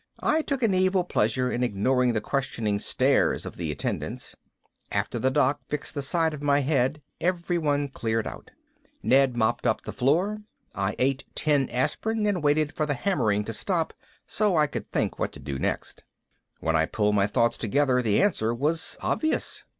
I took an evil pleasure in ignoring the questioning stares of the attendants. After the doc fixed the side of my head, everyone cleared out. Ned mopped up the floor. I ate ten aspirin and waited for the hammering to stop so I could think what to do next. When I pulled my thoughts together the answer was obvious.